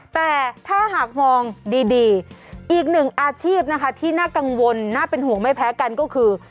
แต่ถ้าหากมองดีอีกหนึ่งอาชีพนะคะที่น่ากังวลน่าเป็นห่วงไม่แพ้กันก็คือ